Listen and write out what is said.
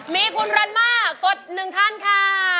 มีคุณรันมากกด๑ท่านค่ะ